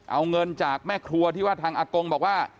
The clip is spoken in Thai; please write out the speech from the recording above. เอาเงินจากแม่ครัวที่ว่าทางอากงบอกว่า